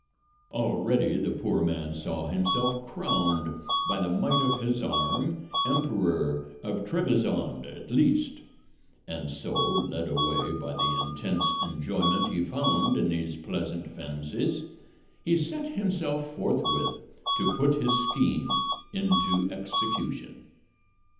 Already the poor man saw himself crowned, by the might of his arm, Emperor of Trebizond at least; and so, led away by the intense enjoyment he found in these pleasant fancies, he set himself forthwith to put his scheme into execution.